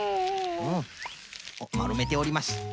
おっまるめております。